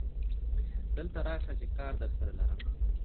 دلته ته راشه چې کار درسره لرم